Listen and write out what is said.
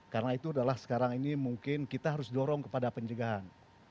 karena itu adalah sekarang ini mungkin kita harus dorong kepada penjagaan